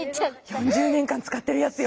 ４０年間つかってるやつよ。